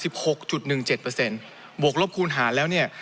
บวกรบคูณหารแล้วเนี่ย